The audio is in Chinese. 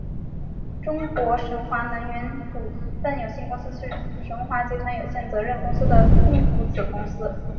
中国神华能源股份有限公司是神华集团有限责任公司的控股子公司。